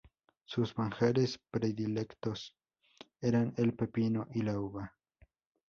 Sus manjares predilectos eran el pepino y la uva.